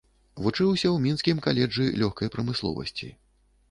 Вучыўся ў мінскім каледжы лёгкай прамысловасці.